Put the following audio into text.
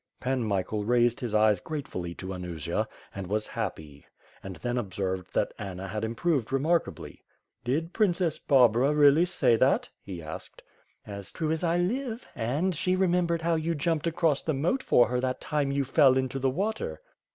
^" Pan Michael raised his eyes gratefully to Anusia and was happy, aijd then observed that Anna had improved remark ably. *T)id Princess Barbara really say that?" he asked. WITH FIRE AND SWORD. 527 "As true as I live and — she remembered how you jumped across the moat for her that time you fell into the water."